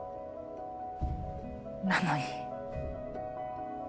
なのに。